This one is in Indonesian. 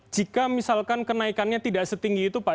jika misalkan kenaikannya tidak setinggi itu pak